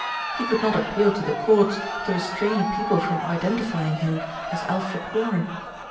He could not appeal to the Courts to restrain people from identify ing him as Alfred Warren.